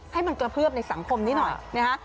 ให้มันกระเพือบในสังคมนิดหน่อย